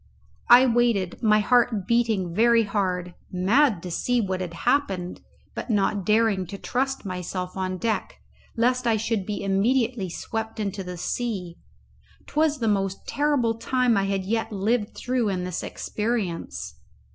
I waited, my heart beating very hard, mad to see what had happened, but not daring to trust myself on deck lest I should be immediately swept into the sea. 'Twas the most terrible time I had yet lived through in this experience.